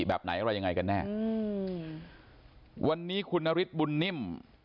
แบบไหนอะไรยังไงกันแน่อืมวันนี้คุณนฤทธิบุญนิ่ม